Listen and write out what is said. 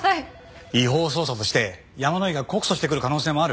違法捜査として山野井が告訴してくる可能性もある。